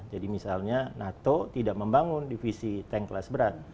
jadi misalnya nato tidak membangun divisi tank kelas berat